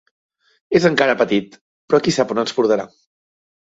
És encara petit, però qui sap on ens portarà.